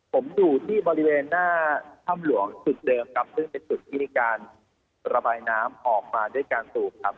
ผมอยู่ที่บริเวณหน้าถ้ำหลวงจุดเดิมครับซึ่งเป็นจุดที่มีการระบายน้ำออกมาด้วยการสูบครับ